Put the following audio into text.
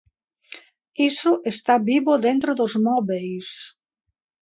Iso está vivo dentro dos móbeis.